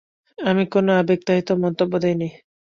আমি কোনও আবেগতাড়িত মন্তব্য দেইনি।